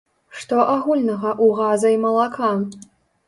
Што агульнага ў газа і малака?